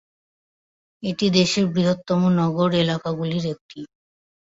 এটি দেশটির বৃহত্তম নগর এলাকাগুলির একটি।